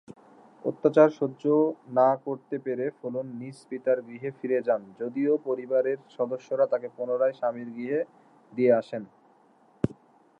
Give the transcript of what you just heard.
অত্যাচার সহ্য না করতে পেরে ফুলন নিজ পিতার গৃহে ফিরে যান যদিও পরিবারের সদস্যরা তাকে পুনরায় স্বামীর গৃহে দিয়ে আসেন।